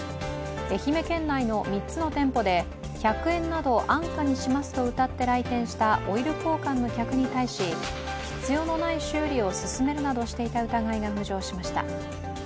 愛媛県内の３つの店舗で１００円など安価にしますとうたって来店したオイル交換の客に対し必要のない修理を勧めるなどしていた疑いが浮上しました。